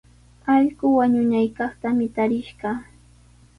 Allqu wañunaykaqtami tarishqaa.